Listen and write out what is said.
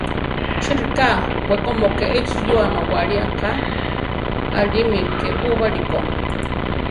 ¿Chi ríka, wekómo ke échi yúa nawáli aká, aʼlími ké úbali ko?